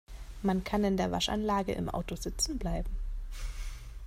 Man kann in der Waschanlage im Auto sitzen bleiben.